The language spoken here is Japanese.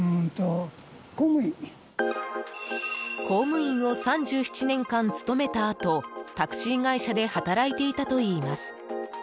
公務員を３７年間務めたあとタクシー会社で働いていたといいます。